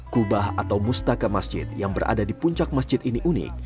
kubah atau mustaka masjid yang berada di puncak masjid ini unik